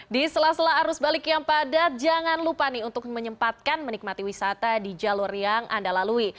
di sela sela arus balik yang padat jangan lupa nih untuk menyempatkan menikmati wisata di jalur yang anda lalui